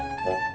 terima kasih mas